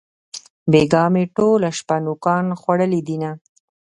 بېگاه مې ټوله شپه نوکان خوړلې دينه